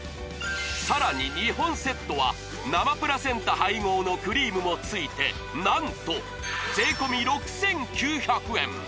さらに２本セットは生プラセンタ配合のクリームも付いて何と税込６９００円